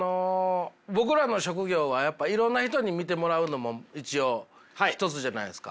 僕らの職業はやっぱいろんな人に見てもらうのも一応一つじゃないですか。